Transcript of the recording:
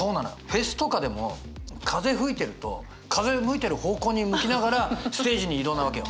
フェスとかでも風吹いてると風向いてる方向に向きながらステージに移動なわけよ。